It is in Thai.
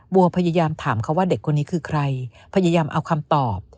บัวพยายามถามเขาว่าเด็กคนนี้คือใครพยายามเอาคำตอบ